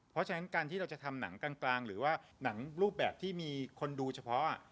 เพราะฉะนั้นการที่เราจะทำหนังกลางหรือว่าหนังรูปแบบที่มีคนดูเฉพาะ